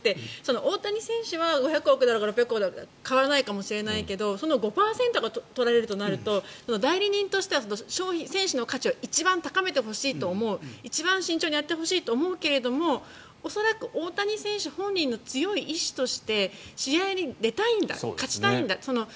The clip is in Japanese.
大谷選手は６００億だろうが５００億だろうが変わらないかもしれないけどその５％が取られるとなると代理人としては選手の価値を一番高めてほしいと思う一番慎重にやってほしいと思うけど恐らく大谷選手本人の強い意思として試合に出たいんだ勝ちたいんだと。